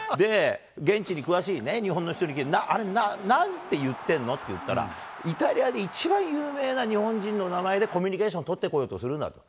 現地に詳しい日本の人に聞くと、あれ、なんて言ってるの？って言ったら、イタリアで一番有名な日本人の名前でコミュニケーション取ってこようとするんだと。